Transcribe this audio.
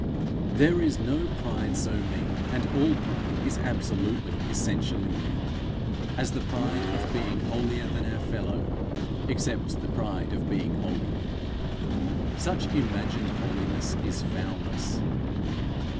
There is no pride so mean and all pride is absolutely, essentially mean as the pride of being holier than our fellow, except the pride of being holy. Such imagined holiness is foulness.